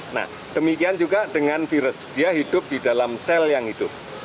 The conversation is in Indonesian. nah demikian juga dengan virus dia hidup di dalam sel yang hidup